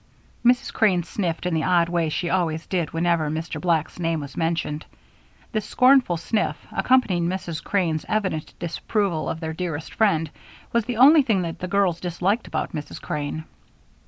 Mrs. Crane sniffed in the odd way she always did whenever Mr. Black's name was mentioned. This scornful sniff, accompanying Mrs. Crane's evident disapproval of their dearest friend, was the only thing that the girls disliked about Mrs. Crane.